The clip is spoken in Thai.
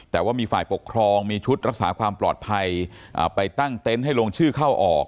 แต่ว่ามีฝ่ายปกครองมีชุดรักษาความปลอดภัยไปตั้งเต็นต์ให้ลงชื่อเข้าออก